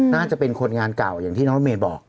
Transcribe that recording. น่าจะเป็นคนงานเก่าอย่างที่น้องรถเมย์บอก